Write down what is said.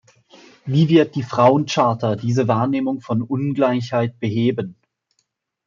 Wie wird die Frauen-Charta diese Wahrnehmung von Ungleichheit beheben?